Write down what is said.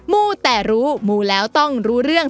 มูแต่รู้มูแล้วต้องรู้เรื่อง